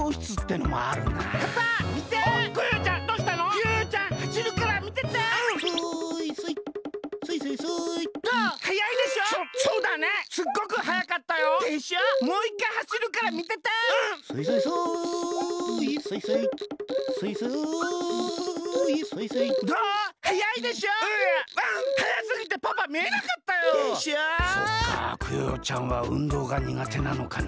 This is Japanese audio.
そっかクヨヨちゃんはうんどうがにがてなのかな。